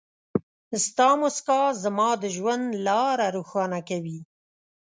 ستا مسکا زما د ژوند لاره روښانه کوي.